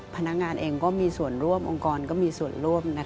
พนักงานเองก็มีส่วนร่วมองค์กรก็มีส่วนร่วม